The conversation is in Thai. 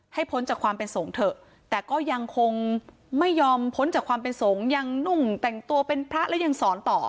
พ้นจากความเป็นสงฆ์เถอะแต่ก็ยังคงไม่ยอมพ้นจากความเป็นสงฆ์ยังนุ่งแต่งตัวเป็นพระแล้วยังสอนต่อ